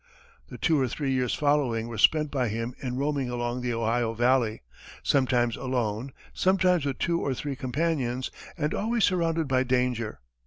The two or three years following were spent by him in roaming along the Ohio valley, sometimes alone, sometimes with two or three companions, and always surrounded by danger.